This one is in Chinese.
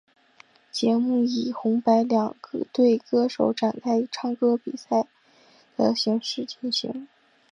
节目以红白两队歌手展开歌唱比赛的形式进行。